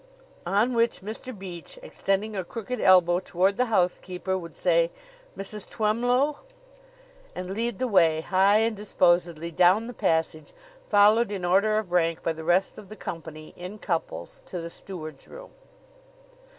On which Mr. Beach, extending a crooked elbow toward the housekeeper, would say, "Mrs. Twemlow!" and lead the way, high and disposedly, down the passage, followed in order of rank by the rest of the company, in couples, to the steward's room.